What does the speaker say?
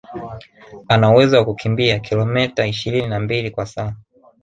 Ana uwezo wa kukimbia kilometa ishirini na mbili kwa saa